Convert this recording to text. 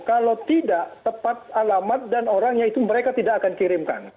kalau tidak tepat alamat dan orangnya itu mereka tidak akan kirimkan